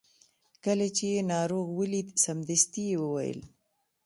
کله چې یې ناروغ ولید سمدستي یې وویل.